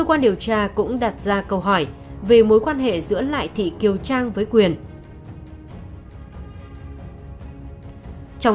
anh nhắc lại từ trên bình